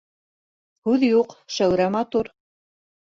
Һүҙ юҡ, Шәүрә матур.